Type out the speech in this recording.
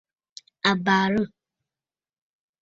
A barə̂!